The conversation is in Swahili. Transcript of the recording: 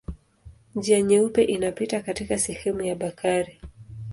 Njia Nyeupe inapita katika sehemu ya Bakari.